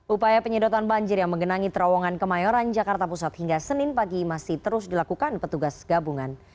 upaya penyedotan banjir yang menggenangi terowongan kemayoran jakarta pusat hingga senin pagi masih terus dilakukan petugas gabungan